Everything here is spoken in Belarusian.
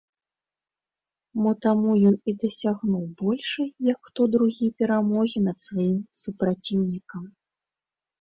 Мо таму ён і дасягнуў большай, як хто другі, перамогі над сваім супраціўнікам.